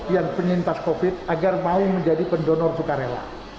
yang penyintas covid agar mau menjadi pendonor sukarela